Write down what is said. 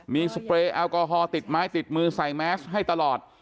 มีสเปรย์แอลกอฮอลติดไม้ติดมือใส่แมสให้ตลอด